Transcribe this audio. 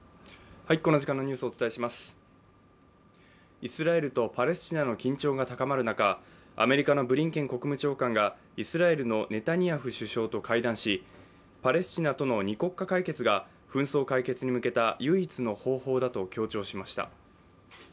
イスラエルとパレスチナの緊張が高まる中、アメリカのブリンケン国務長官がイスラエルのネタニヤフ首相と会談しパレスチナとの２国家解決が紛争解決に向けた唯一の方法だと強調しました。